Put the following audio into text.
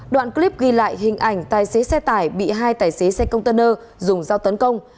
đoạn clip ghi lại hình ảnh tài xế xe tải bị hai tài xế xe container dùng dao tấn công